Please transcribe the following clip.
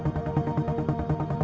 ya udah gue jalanin dulu